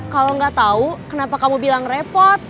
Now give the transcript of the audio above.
kalau gak tau kenapa kamu bilang repot